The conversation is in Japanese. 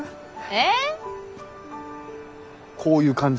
えっ？